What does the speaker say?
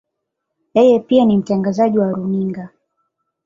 Yeye pia ni mtangazaji wa runinga.